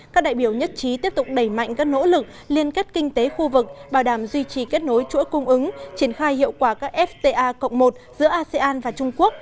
các đại biểu nhất trí tiếp tục đẩy mạnh các nỗ lực liên kết kinh tế khu vực bảo đảm duy trì kết nối chuỗi cung ứng triển khai hiệu quả các fta cộng một giữa asean và trung quốc